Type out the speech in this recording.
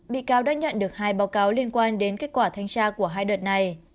bị cáo đã nhận được hai báo cáo liên quan đến kết quả thanh tra của hai đợt này